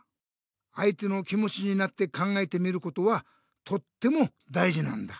あいての気もちになって考えてみることはとってもだいじなんだ。